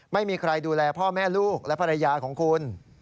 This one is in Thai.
ไม่มีใครดูแลพ่อแม่ลูกและภรรยาของคุณ